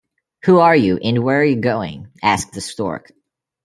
Who are you, and where are you going? asked the Stork.